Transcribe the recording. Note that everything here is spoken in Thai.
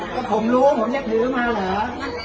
ก็ผมรู้ผมจะถือมาเหรอ